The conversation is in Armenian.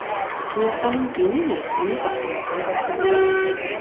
Չինաստանում պինինը ունի պաշտոնական կարգավիճակ։